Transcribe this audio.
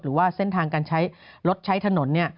หรือว่าเส้นทางการใช้รถใช้ถนน